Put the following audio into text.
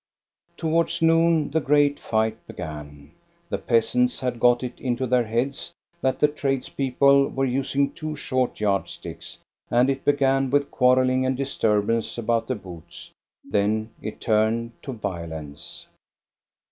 Towards noon the great fight began. The peasants had got it into their heads that the tradespeople were using too short yardsticks, and it began with quar relling and disturbance about the booths; then it turned to violence.